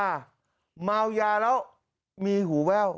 เมายาแล้วมีหูแว่ว